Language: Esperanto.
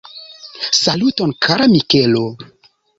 Saluton kara Mikelo!